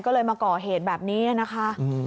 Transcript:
ก็เลยมาก่อเหตุแบบนี้นะคะ